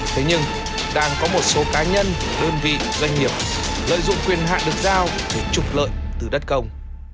thế nhưng đang có một số cá nhân đơn vị doanh nghiệp lợi dụng quyền hạn được giao để trục lợi từ đất công